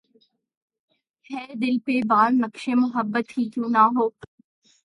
ہے دل پہ بار‘ نقشِ محبت ہی کیوں نہ ہو